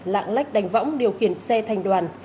lạng lách đành võng điều khiển xe thành đoàn